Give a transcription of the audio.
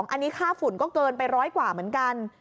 อันนี้ค่าฝุ่นก็เกินไปร้อยกว่าเหมือนกัน